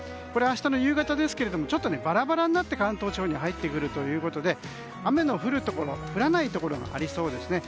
これ、明日の夕方ですがバラバラになって関東地方に入ってくるということで雨の降るところ降らないところがありそうです。